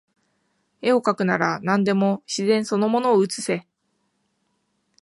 画をかくなら何でも自然その物を写せ